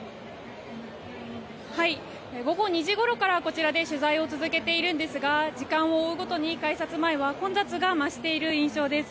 午後２時ごろからこちらで取材を続けているんですが時間を追うごとに、改札前は混雑が増している印象です。